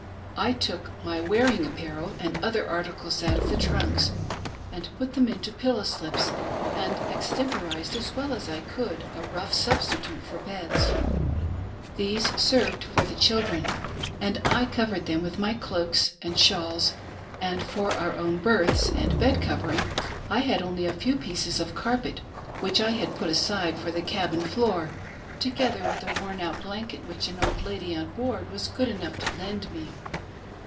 I took my wearing apparel and other articles out of the trunks and put them into pillow slips, and extemporised as well as I could a rough sub stitute for beds. These served for the children, and I cov ered them with my cloaks and shawls ; and for our own berths and bed covering I had only a few pieces of carpet which I had put *aside for the cabin floor, together with a worn out blanket which an old lady on board was good enough to lend me.